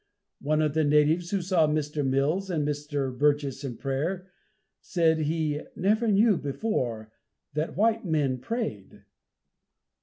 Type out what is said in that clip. One of the natives who saw Mr. Mills and Mr. Burgess in prayer, said he "never knew before that white men prayed!"